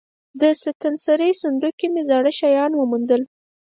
د ستنسرۍ صندوق کې مې زاړه شیان وموندل.